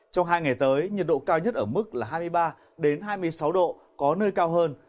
trong hai ngày tới nhiệt độ cao nhất ở mức là hai mươi ba hai mươi sáu độ có nơi cao hơn